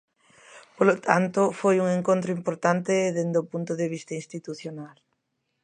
Polo tanto, foi un encontro importante dende o punto de vista institucional.